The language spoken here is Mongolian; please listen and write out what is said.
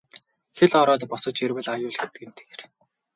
Хэл ороод босож ирвэл аюул гэдэг тэр.